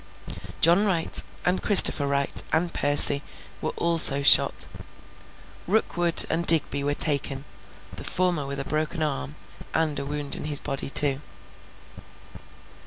John Wright, and Christopher Wright, and Percy, were also shot. Rookwood and Digby were taken: the former with a broken arm and a wound in his body too.